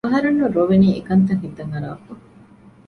އަހަރެންނަށް ރޮވެނީ އެކަންތައް ހިތަށް އަރާފަ